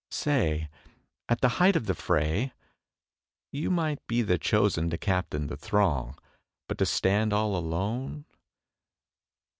Say! At the height of the fray, You might be the chosen to captain the throng: But to stand all alone?